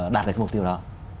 đạt được cái mục tiêu đó